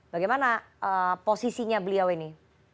bagaimana posisinya beliau ini